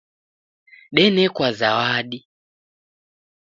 Denekwa zawadi